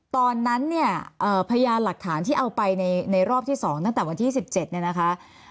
ตอนนั้นเนี่ยพยานหลักฐานที่เอาไปในรอบที่๒ตั้งแต่วันที่๑๗เนี่ยนะคะ